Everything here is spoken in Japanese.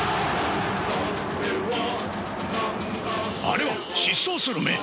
あれは疾走する眼！